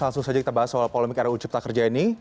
langsung saja kita bahas soal polemik ruu cipta kerja ini